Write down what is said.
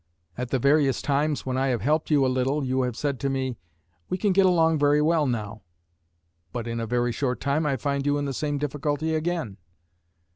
At the various times when I have helped you a little you have said to me, 'We can get along very well now'; but in a very short time I find you in the same difficulty again.